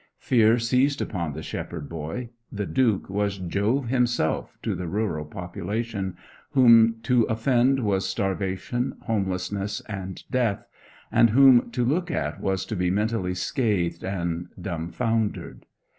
Fear seized upon the shepherd boy: the Duke was Jove himself to the rural population, whom to offend was starvation, homelessness, and death, and whom to look at was to be mentally scathed and dumbfoundered.